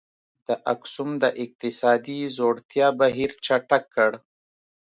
د اکسوم د اقتصادي ځوړتیا بهیر چټک کړ.